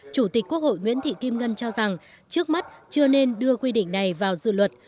chủ tịch quốc hội nguyễn thị kim ngân cho rằng trước mắt chưa nên đưa quy định này vào dự luật